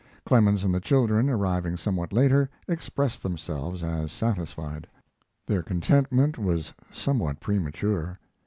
Clemens and the children, arriving somewhat later, expressed themselves as satisfied. Their contentment was somewhat premature.